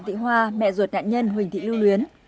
thị hoa mẹ ruột nạn nhân huỳnh thị lưu luyến